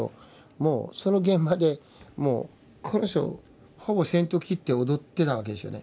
もうその現場でもうこの人ほぼ先頭を切って踊ってたわけですよね。